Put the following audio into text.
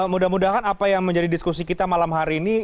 mudah mudahan apa yang menjadi diskusi kita malam hari ini